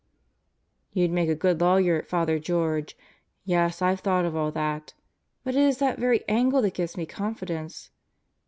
..." "You'd make a good lawyer, Father George. Yes, I've thought of all that. But it is that very angle that gives me confidence.